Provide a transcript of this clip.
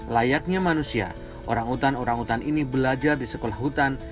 layaknya manusia orang utan orang utan ini belajar di sekolah hutan